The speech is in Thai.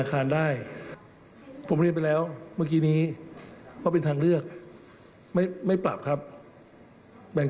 ถ้าใครไม่ชอบก็ใช้แนวทางเดิมได้นะฮะไปฟังเสียงทางนายกรัฐมนตรีกันครับ